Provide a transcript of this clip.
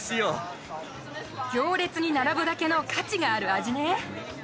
行列に並ぶだけの価値がある味ね。